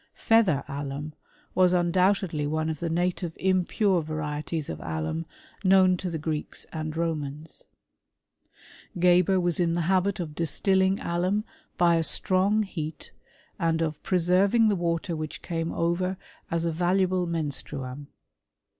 Feather alum was undoubtedly one of the native impure Va rieties of alum, known to the Greeks and Romans* G^ber was in the habit of distilling alum by a strong heat, and of preserving the water which came ovor as a valuable menstruum.